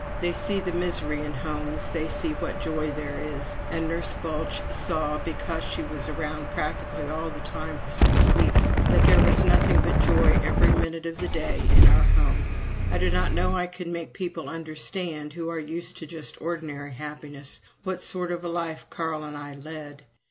They see the misery in homes, they see what joy there is. And Nurse Balch saw, because she was around practically all the time for six weeks, that there was nothing but joy every minute of the day in our home. I do not know how I can make people understand, who are used to just ordinary happiness, what sort of a life Carl and I led.